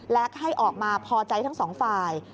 และให้ออกมาพอใจทั้งสองฝ่าย